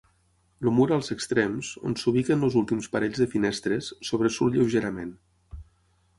El mur als extrems, on s'ubiquen els últims parells de finestres, sobresurt lleugerament.